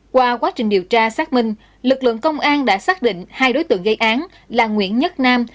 qua quá trình điều tra xác minh lực lượng công an đã xác định hai đối tượng gây án là nguyễn nhất nam